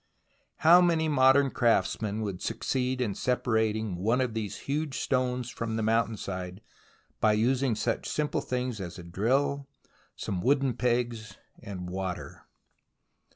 How many modern crafts men would succeed in separating one of these huge stones from the mountain side, by using such simple 74 THE ROMANCE OF EXCAVATION things as a drill, some wooden pegs, and water